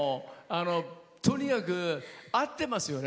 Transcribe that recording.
とにかく合ってますよね。